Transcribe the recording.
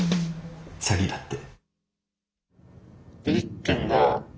詐欺だって。